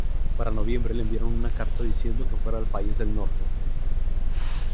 Para noviembre le enviaron una carta diciendo que fuera al país del norte.